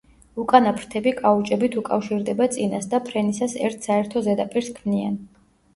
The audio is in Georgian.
უკანა ფრთები კაუჭებით უკავშირდება წინას და ფრენისას ერთ საერთო ზედაპირს ქმნიან.